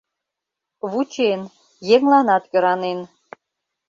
Вучен, еҥланат кӧранен